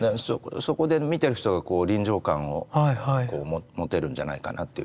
そこで見てる人が臨場感を持てるんじゃないかなという気がしますね。